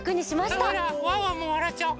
ワンワンもわらっちゃおう。